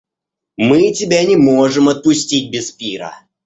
Мы тебя не можем отпустить без пира.